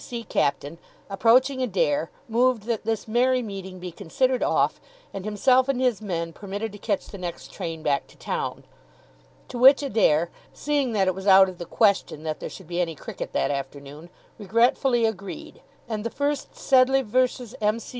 C.C. captain, approaching Adair, moved that this merry meeting be considered off and himself and his men permitted to catch the next train back to town. To which Adair, seeing that it was out of the question that there should be any cricket that afternoon, regretfully agreed, and the first Sedleigh v. M.